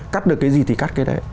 cắt được cái gì thì cắt cái đấy